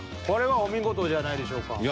これはお見事じゃないでしょうか。